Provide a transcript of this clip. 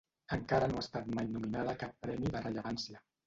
Encara no ha estat mai nominada a cap premi de rellevància.